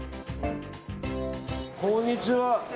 こんにちは。